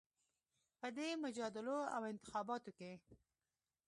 په دې مجادلو او انتخابونو کې